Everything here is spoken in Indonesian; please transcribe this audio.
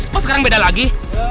kok sekarang beda lagi